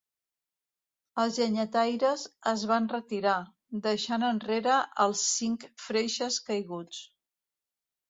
Els llenyataires es van retirar, deixant enrere els cinc freixes caiguts.